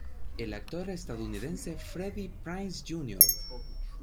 El actor estadounidense Freddie Prinze, Jr.